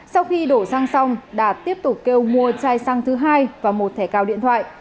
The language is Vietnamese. sau khi đổ xăng xong đạt tiếp tục kêu mua chai xăng thứ hai và một thẻ cào điện thoại